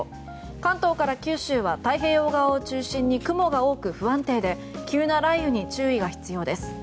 関東から九州は太平洋側を中心に雲が多く、不安定で急な雷雨に注意が必要です。